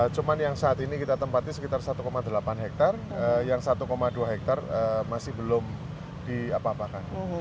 cuma yang saat ini kita tempatnya sekitar satu delapan hektare yang satu dua hektare masih belum diapa apakan